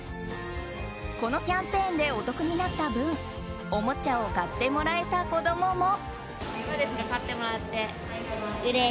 このキャンペーンでお得になった分おもちゃを買ってもらえた子供も。